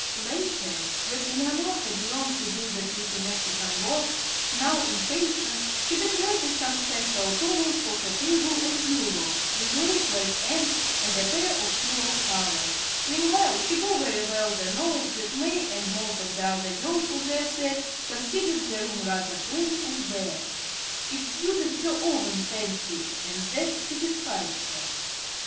Later, when Eleanor had learned to do the pretty Mexican work, now in fashion, she decorated some special towels for her table and bureau, with lace like ends, and a pair of pillow covers. Meanwhile, she bore very well the knowledge that May and most of the other girls of their set considered her room rather "plain and bare." It suited her own fancy, and that satisfied her.